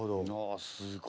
あすごい。